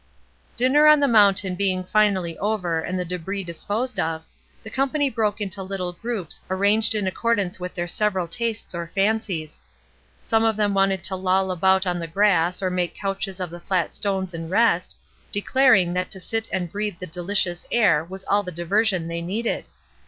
Dinner on the mountain being finally over and the d6bris disposed of, the company broke into little groups arranged in accordance with their several tastes or fancies. Some of them wanted to loll about on the grass or make couches of the flat stones and rest, declaring that to sit and breathe the delicious air was all the diversion they needed.